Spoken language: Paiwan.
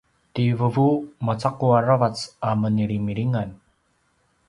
ti vuvu macaqu aravac a menilimilingan